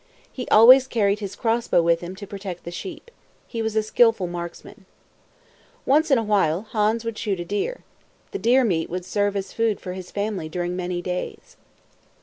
He always carried his crossbow with him, to protect the sheep. He was a skillful marksman. Once in a while, Hans would shoot a deer. The deer meat would serve as food for his family during many days.